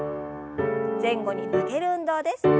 前後に曲げる運動です。